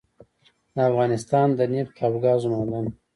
دافغانستان دنفت او ګازو معادن